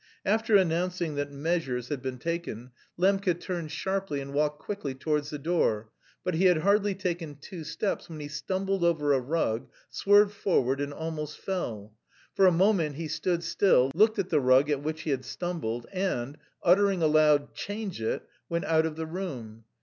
After announcing that measures had been taken, Lembke turned sharply and walked quickly towards the door, but he had hardly taken two steps when he stumbled over a rug, swerved forward, and almost fell. For a moment he stood still, looked at the rug at which he had stumbled, and, uttering aloud "Change it!" went out of the room.